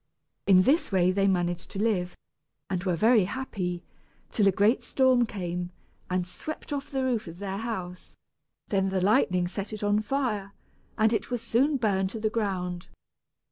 In this way they managed to live, and were happy, till a great storm came, and swept off the roof of their house; then the lightning set it on fire, and it was soon burned to the ground.